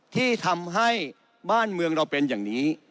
ที่ทำให้บ้านเมืองเราเป็นอย่างนี้